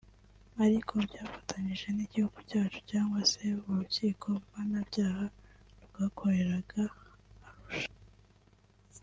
ariko byafatanyije n’igihugu cyacu cyangwa se n’Urukiko Mpanabyaha rwakoreraga Arusha